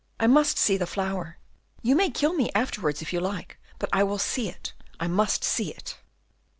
I must see the flower! You may kill me afterwards if you like, but I will see it, I must see it."